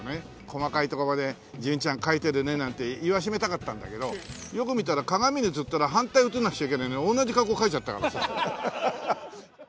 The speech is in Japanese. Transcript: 「細かいとこまで純ちゃん描いてるね」なんて言わしめたかったんだけどよく見たら鏡に映ったら反対映らなくちゃいけないのに同じ格好描いちゃったからさ。